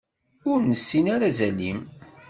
Ur nessin ara azal-im.